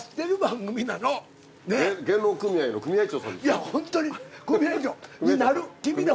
いやホントに。